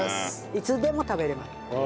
いつでも食べられます。